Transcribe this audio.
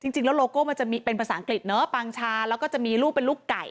จริงแล้วโลโก้มันจะเป็นภาษาอังกฤษเนอะปังชาแล้วก็จะมีลูกเป็นลูกไก่